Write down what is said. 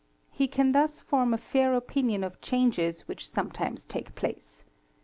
He can thus form a fair opinion of changes which sometimes take place.